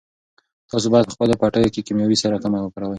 تاسو باید په خپلو پټیو کې کیمیاوي سره کمه وکاروئ.